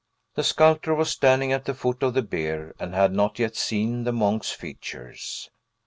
The sculptor was standing at the foot of the bier, and had not yet seen the monk's features.